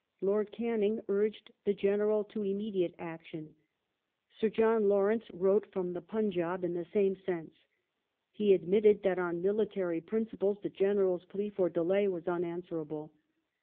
Lord Canning urged the General to immediate action. Sir John Lawrence wrote from the Punjab in the same sense. He admitted that, on military principles, the General's plea for delay was unanswerable.